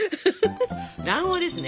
卵黄ですね。